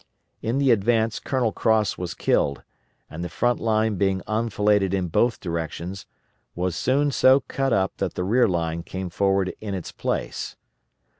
In the advance Colonel Cross was killed, and the front line being enfiladed in both directions, was soon so cut up that the rear line came forward in its place.